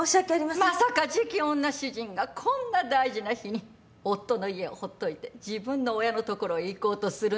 まさか次期女主人がこんな大事な日に夫の家をほっといて自分の親のところへ行こうとするなんて。